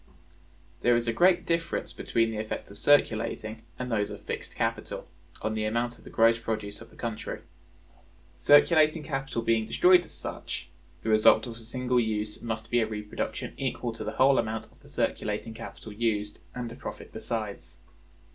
There is a great difference between the effects of circulating and those of fixed capital, on the amount of the gross produce of the country. Circulating capital being destroyed as such, the result of a single use must be a reproduction equal to the whole amount of the circulating capital used, and a profit besides.